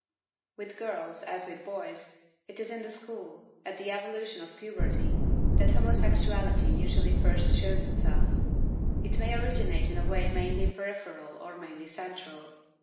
With girls, as with boys, it is in the school, at the evolution of puberty, that homosexuality usually first shows itself. It may originate in a way mainly peripheral or mainly central.